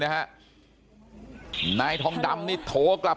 บอกแล้วบอกแล้วบอกแล้ว